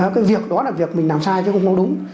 cái việc đó là việc mình làm sai chứ không có đúng